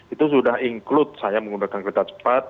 itu sudah include saya menggunakan kereta cepat